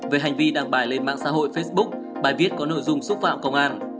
về hành vi đăng bài lên mạng xã hội facebook bài viết có nội dung xúc phạm công an